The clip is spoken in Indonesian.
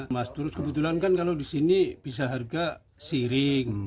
mas tulus kebetulan kan kalau di sini bisa harga siring